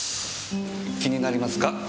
気になりますか？